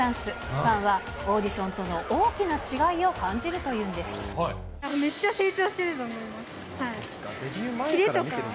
ファンはオーディションとの大きな違いを感じるというんです。